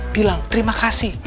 bilang terima kasih